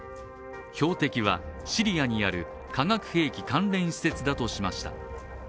標的はシリアにある化学兵器関連施設だとしました。